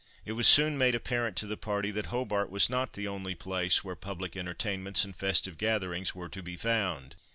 It was soon made apparent to the party that Hobart was not the only place where public entertainments and festive gatherings were to be found.